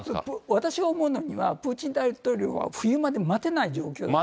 私が思うのには、プーチン大統領は冬まで待てない状況です。